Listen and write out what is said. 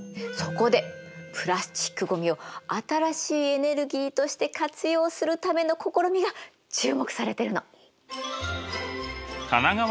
そこでプラスチックごみを新しいエネルギーとして活用するための試みが注目されてるの。